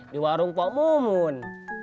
di warung kok mumun